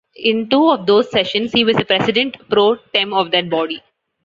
In two of those sessions he was the president pro tem of that body.